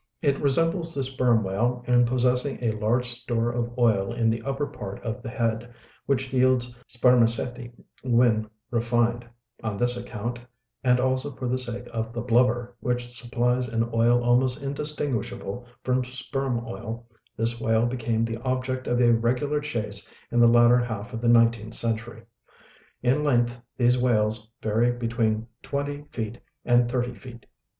It resembles the sperm whale in possessing a large store of oil in the upper part of the head, which yields spermaceti when refined; on this account, and also for the sake of the blubber, which supplies an oil almost indistinguishable from sperm oil, this whale became the object of a regular chase in the latter half of the 19th century. In length these whales vary between 20 ft. and 30 ft.